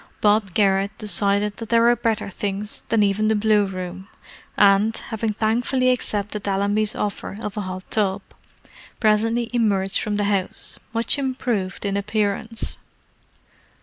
Bob Garrett decided that there were better things than even the blue room, and, having thankfully accepted Allenby's offer of a hot tub, presently emerged from the house, much improved in appearance.